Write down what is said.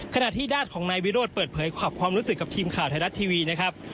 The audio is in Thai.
ขณะที่ญาติของนายวิโรธเปิดเผยความรู้สึกกับทีมข่าวไทยรัฐทีวีนะครับ